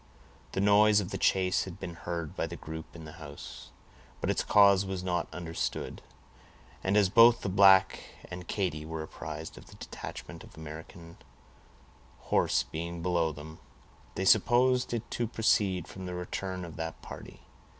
The noise of the chase had been heard by the group in the house, but its cause was not understood; and as both the black and Katy were apprised of the detachment of American horse being below them, they supposed it to proceed from the return of that party.